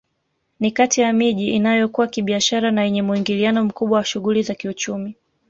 Ni kati ya miji inayokua kibiashara na yenye muingiliano mkubwa wa shughuli za kiuchumi